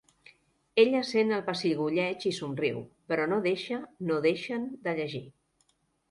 Ella sent el pessigolleig i somriu, però no deixa, no deixen, de llegir.